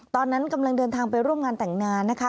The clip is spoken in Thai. ตอนนั้นกำลังเดินทางไปร่วมงานแต่งงานนะคะ